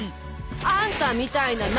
「あんたみたいななよ